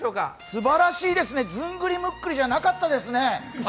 すばらしいですねずんぐりむっくりじゃなかったですね。